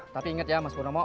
tapi inget ya mas punomo